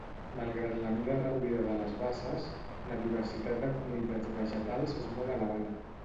Malgrat la mida reduïda de les basses, la diversitat de comunitats vegetals és molt elevada.